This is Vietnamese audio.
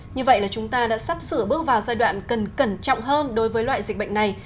như vậy là chúng ta đã sắp sửa bước vào giai đoạn cần cẩn trọng hơn đối với loại dịch bệnh này